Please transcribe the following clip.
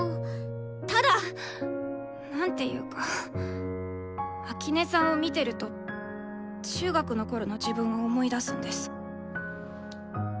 ただなんていうか秋音さんを見てると中学のころの自分を思い出すんです。